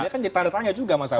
kan jadi tanya tanya juga masalahnya